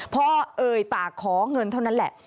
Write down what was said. เอ่ยปากขอเงินเท่านั้นแหละ